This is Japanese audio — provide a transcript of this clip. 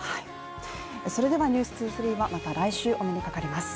それでは「ｎｅｗｓ２３」はまた来週お目にかかります。